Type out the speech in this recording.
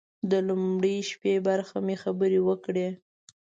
د لومړۍ شپې برخه مو خبرې وکړې.